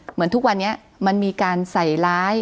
เหมือนทุกวันนี้มันมีการใส่ร้าย